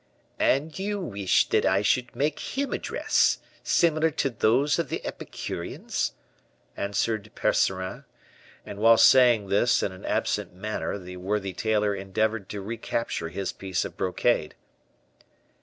"And you wish that I should make him a dress, similar to those of the Epicureans?" answered Percerin. And while saying this, in an absent manner, the worthy tailor endeavored to recapture his piece of brocade.